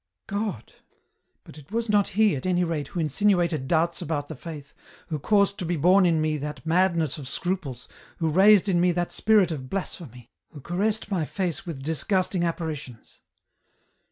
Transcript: " God ! But it was not He at any rate who insinuated doubts about the Faith, who caused to be born in me that madness of scruples, who raised in me that spirit of blasphemy, who caressed my face with disgusting apparitions."